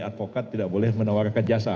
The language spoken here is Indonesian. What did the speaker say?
advokat tidak boleh menawarkan jasa